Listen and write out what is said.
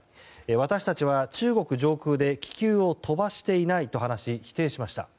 私たちは中国上空で気球を飛ばしていないと話し否定しました。